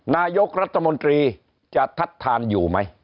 นายกรัฐมนตรีจะทัดทานอยู่ไหม